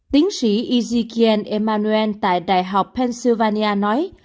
tiến sĩ ezekiel emanuel tại đại học pennsylvania nói